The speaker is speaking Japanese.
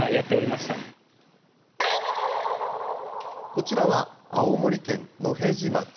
こちらは、青森県野辺地町。